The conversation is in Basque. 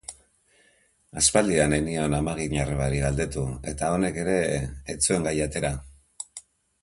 Aspaldian ez zion amaginarrebari galdetu, eta honek ere ez zuen gaia atera.